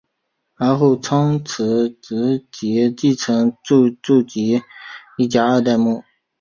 而后仓持直吉继承住吉一家二代目。